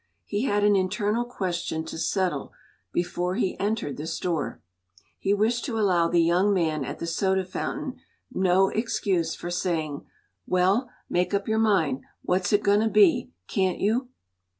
He had an internal question to settle before he entered the store: he wished to allow the young man at the soda fountain no excuse for saying, “Well, make up your mind what it's goin' to be, can't you?